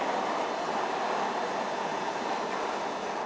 หมายเลข๑๐๐